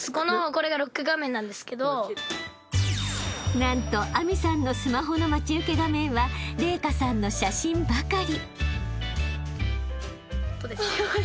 ［何と明未さんのスマホの待ち受け画面は麗華さんの写真ばかり］